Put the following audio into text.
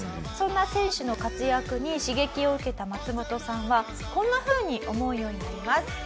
そんな選手の活躍に刺激を受けたマツモトさんはこんなふうに思うようになります。